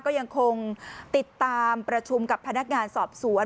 ก็ยังคงติดตามประชุมกับพนักงานสอบสวน